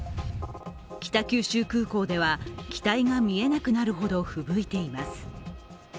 北九州空港では機体が見えなくなるほど、ふぶいています。